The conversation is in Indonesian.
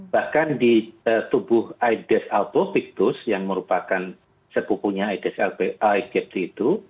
bahkan di tubuh aedes albopictus yang merupakan sepupunya aedes albopictus itu